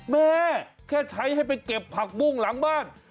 แม่แค่ใช้ให้ไปเก็บผักบุ้งหลังบ้าน